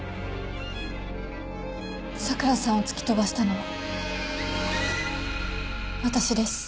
咲良さんを突き飛ばしたのは私です。